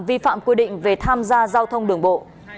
vi phạm quy định về tham gia giao thông đường bộ